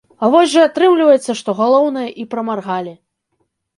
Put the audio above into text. А вось жа атрымліваецца, што галоўнае і прамаргалі.